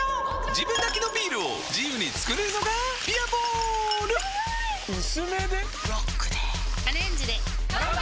自分だけのビールを自由に作れるのが「ビアボール」やばい薄めでロックでアレンジで乾杯！！